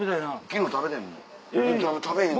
昨日食べてへん。